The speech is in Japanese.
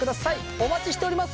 お待ちしております。